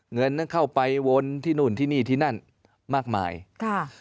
เงินนั้นเข้าไปวนที่นู่นที่นี่ที่นั่นมากมายค่ะ